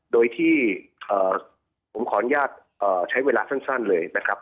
โดยที่ผมขออนุญาตใช้เวลาสั้นเลยนะครับ